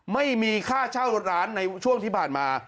ไม่มีค่าเช่าร้านในช่วงที่ผ่านมา